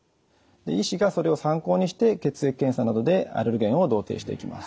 医師がそれを参考にして血液検査などでアレルゲンを同定していきます。